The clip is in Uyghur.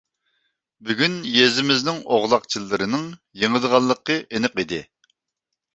بۈگۈن يېزىمىزنىڭ ئوغلاقچىلىرىنىڭ يېڭىدىغانلىقى ئېنىق ئىدى.